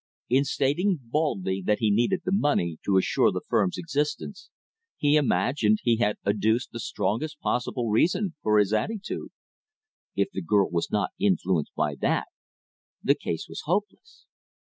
In stating baldly that he needed the money to assure the firm's existence, he imagined he had adduced the strongest possible reason for his attitude. If the girl was not influenced by that, the case was hopeless.